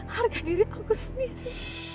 harga diri aku sendiri